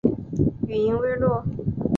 语音未落